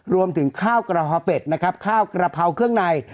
รวมถึงข้าวกระเพราเป็ดนะครับข้าวกระเพราเครื่องใน